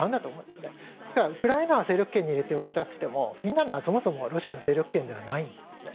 ですからウクライナは勢力圏に入れておきたくてもフィンランドはそもそもロシアの勢力圏ではないんですね。